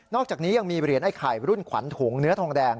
อกจากนี้ยังมีเหรียญไอ้ไข่รุ่นขวัญถุงเนื้อทองแดง